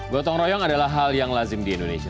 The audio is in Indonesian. gotong royong adalah hal yang lazim di indonesia